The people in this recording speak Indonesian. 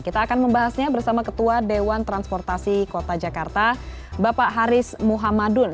kita akan membahasnya bersama ketua dewan transportasi kota jakarta bapak haris muhammadun